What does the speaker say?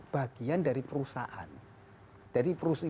bagian dari perusahaan